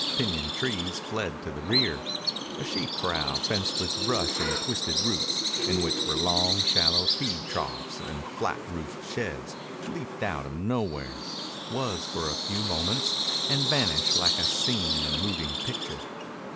Piñon trees fled to the rear. A sheep corral fenced with brush and twisted roots, in which were long, shallow feed troughs and flat roofed sheds, leaped out of nowhere, was for a few moments, and vanished like a scene in a moving picture.